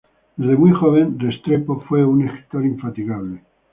Desde muy joven Restrepo fue un escritor infatigable.